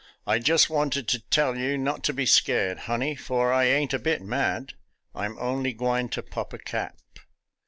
" I just wanted to tell you not to be scared, honey, for I ain't a bit mad; I'm only gwine ter pop a cap."